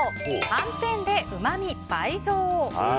はんぺんでうま味倍増！